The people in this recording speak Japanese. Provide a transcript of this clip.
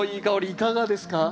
いかがですか？